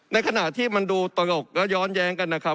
ในขณะที่มันดูตลกและย้อนแย้งกันนะครับ